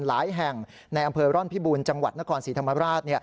หลายแห่งในอำเภอร่อนพิบูรณ์จังหวัดนครศรีธรรมราช